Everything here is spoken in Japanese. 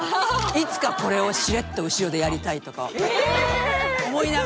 いつかこれをしれっと後ろでやりたいとか思いながら見てる。